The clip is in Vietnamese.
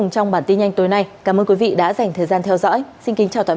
cảm ơn quý vị đã theo dõi